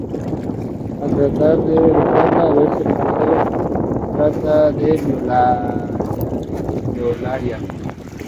Al tratar de besarla y verse rechazado, trata de violarla.